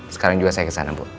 sekarang juga saya kesana bu